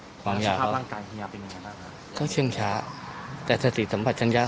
เฮียเป็นไงเป็นอะไรฮะเขาเชิงช้าแต่สถิติสัมผัสจรรยา